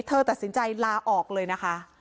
เธอตัดสินใจลาออกเลยนะคะ